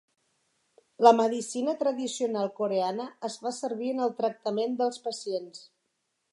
La medicina tradicional coreana es fa servir en el tractament dels pacients.